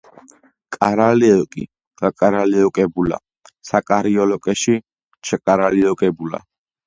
კარალიოკი გაკარალიოკებულა საკარალიოკეში ჩაკარალიოკებულა.